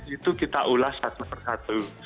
itu kita ulas satu per satu